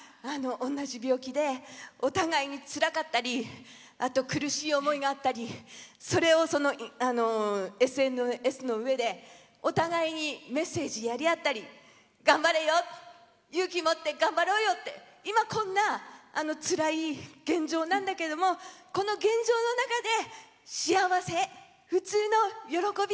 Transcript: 同じ病気でお互いにつらかったりあと、苦しい思いがあったりそれをＳＮＳの上でお互いにメッセージやりあったり「頑張れよ」「勇気もって頑張ろうよ」って今、こんなつらい現状なんだけれどもこの現状の中で幸せ、普通の喜び